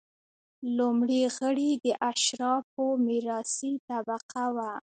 لومړي غړي د اشرافو میراثي طبقه وه.